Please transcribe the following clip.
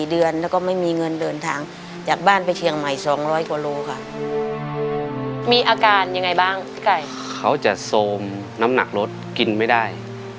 คุณแข็งอย่างไรบ้างพี่ไก่เขาจะโทรนน้ำหนักรสกินไม่ได้